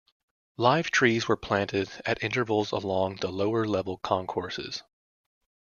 Live trees were planted at intervals along the lower-level concourses.